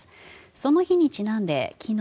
その日にちなんで昨日